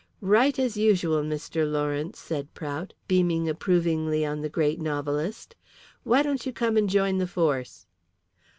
"Right as usual, Mr. Lawrence," said Prout, beaming approvingly on the great novelist. "Why don't you come and join the force?"